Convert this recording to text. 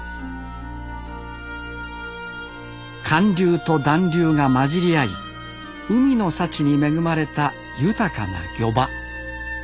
寒流と暖流が混じり合い海の幸に恵まれた豊かな漁場。